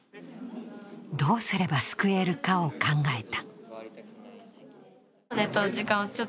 どうすれば救えるかを考えた。